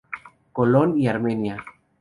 Colón y Armenia.